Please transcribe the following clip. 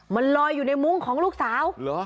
มันลอยอยู่ในมุ้งของลูกสาว